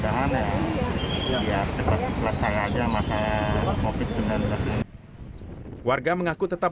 karena ada ya karena memang orang ada tradisi juga gitu kan